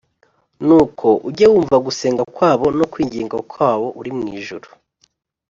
nuko ujye wumva gusenga kwabo no kwinginga kwabo uri mu ijuru,